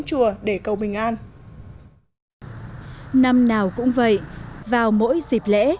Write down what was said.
chùa để cầu bình an năm nào cũng vậy vào mỗi dịp lễ